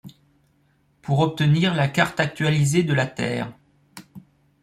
Pour obtenir la carte actualisée de la Terre.